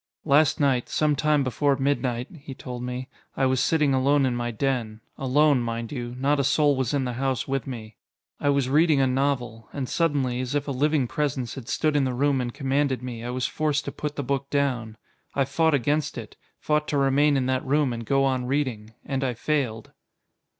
"Last night, some time before midnight," he told me, "I was sitting alone in my den. Alone, mind you not a soul was in the house with me. I was reading a novel; and suddenly, as if a living presence had stood in the room and commanded me, I was forced to put the book down. I fought against it, fought to remain in that room and go on reading. And I failed."